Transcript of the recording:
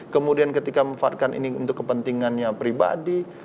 kemudian ketika memanfaatkan ini untuk kepentingannya pribadi